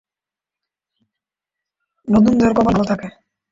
নতুনদের কপাল ভালো থাকে।